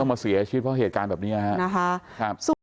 มาเสียชีวิตเพราะเหตุการณ์แบบนี้ครับ